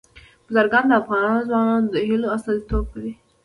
بزګان د افغان ځوانانو د هیلو استازیتوب کوي.